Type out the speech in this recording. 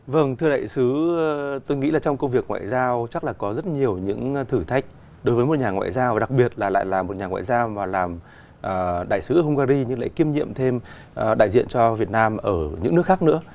vâng thưa đại sứ tôi nghĩ là trong công việc ngoại giao chắc là có rất nhiều những thử thách đối với một nhà ngoại giao và đặc biệt là lại là một nhà ngoại giao và làm đại sứ hungary nhưng lại kiêm nhiệm thêm đại diện cho việt nam ở những nước khác nữa